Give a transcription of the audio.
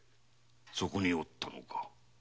そこにおったのか。